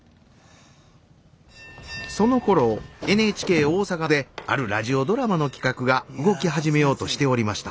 そのころＮＨＫ大阪であるラジオドラマの企画が動き始めようとしておりました。